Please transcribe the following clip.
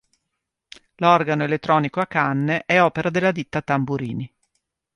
L'organo elettronico a canne è opera della ditta Tamburini.